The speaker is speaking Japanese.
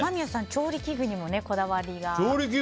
調理器具にもこだわりが。